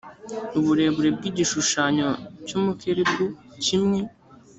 uburebure bw’igishushanyo cy’umukerubi kimwe